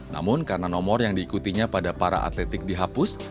namun karena nomor yang diikutinya pada para atletik dihapus